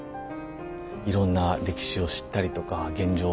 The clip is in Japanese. いろんな歴史を知ったりとか現状